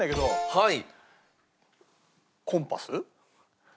はい！